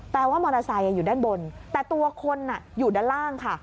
ว่ามอเตอร์ไซค์อยู่ด้านบนแต่ตัวคนอยู่ด้านล่างค่ะ